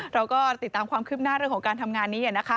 เราก็ติดตามความคืบหน้าเรื่องของการทำงานนี้นะคะ